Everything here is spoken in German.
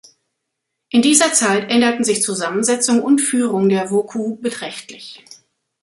In dieser Zeit änderten sich Zusammensetzung und Führung der Wokou beträchtlich.